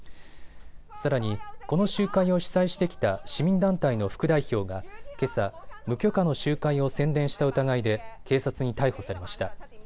さらにこの集会を主催してきた市民団体の副代表がけさ無許可の集会を宣伝した疑いで警察に逮捕されました。